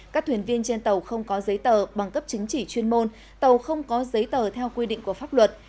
các thuyền viên trên tàu không có giấy tờ bằng cấp chứng chỉ chuyên môn tàu không có giấy tờ theo quy định của pháp luật